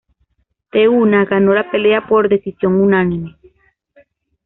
Te-Huna ganó la pelea por decisión unánime.